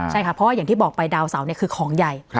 ใช่ค่ะเพราะว่าอย่างที่บอกไปดาวเสาคือของใหญ่